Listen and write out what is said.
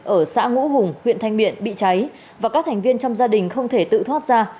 ở xã ngũ hùng huyện thanh miện bị cháy và các thành viên trong gia đình không thể tự thoát ra